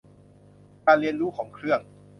การเรียนรู้ของเครื่อง